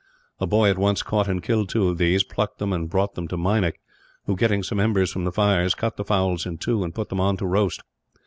A boy at once caught and killed two of these, plucked them and brought them to Meinik who, getting some embers from the fires, cut the fowls in two and put them on to roast.